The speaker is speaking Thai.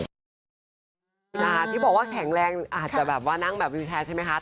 คุณอาที่บอกว่าแข็งแรงอาจจะแบบว่านั่งแบบอยู่แท้ใช่ไหมคะ